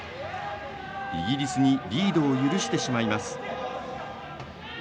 イギリスにリードを許してしまいます。